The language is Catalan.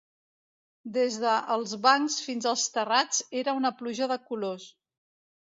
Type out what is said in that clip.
Des de els bancs fins als terrats era una pluja de colors